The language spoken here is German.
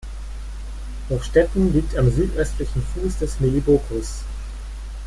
Hochstädten liegt am südöstlichen Fuß des Melibokus.